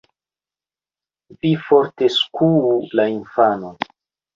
Vi forte skuu la infanon